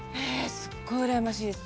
すごいうらやましいです。